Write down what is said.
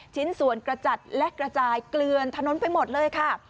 ชิ้นส่วนกระจัดและกระจายเกลือนถนนไปหมดเลยค่ะ